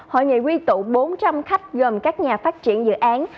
hội nghị quy tụ bốn trăm linh khách gồm các nhà phát triển dự án